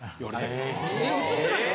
映ってないの？